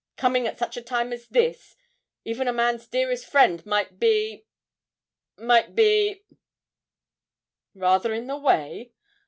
coming at such a time as this ... even a man's dearest friend might be might be ' 'Rather in the way?